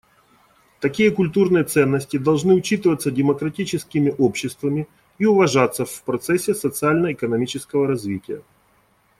Такие культурные ценности должны учитываться демократическими обществами и уважаться в процессе социально-экономического развития.